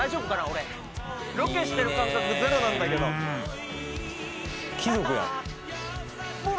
俺ロケしてる感覚ゼロなんだけど貴族やブラ！